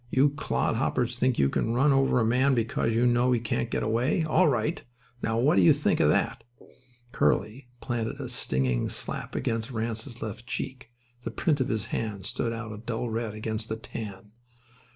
You clodhoppers think you can run over a man because you know he can't get away. All right. Now, what do you think of that?" Curly planted a stinging slap against Ranse's left cheek. The print of his hand stood out a dull red against the tan.